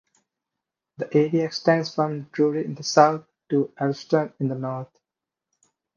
The area extends from Drury in the south to Alfriston in the north.